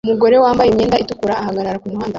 Umugore wambaye imyenda itukura ahagarara kumuhanda